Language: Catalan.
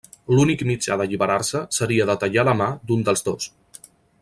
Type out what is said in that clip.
L'únic mitjà d'alliberar-se seria de tallar la mà d'un dels dos.